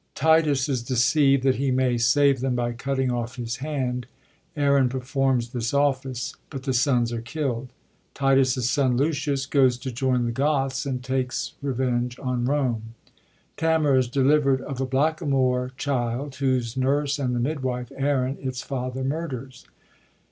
Titus is deceivd that he may save them by cutting off his hand ; Aaron performs this office; but the sons are killd. Titus*s SOD, Lucius, goes to join the Goths and take revenge on Rome. Tamora is deliverd of a blackamoor child, whose nurse and the midwife, Aaron, its father, murders.